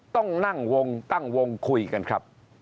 ต้องนั่งวงตั้งวงคุยกันครับ